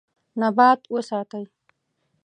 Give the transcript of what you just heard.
نبات وساتئ.